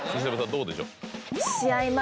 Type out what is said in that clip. どうでしょう？